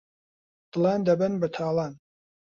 دڵان دەبەن بەتاڵان